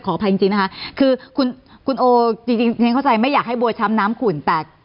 อภัยจริงนะคะคือคุณโอจริงฉันเข้าใจไม่อยากให้บัวช้ำน้ำขุ่นแต่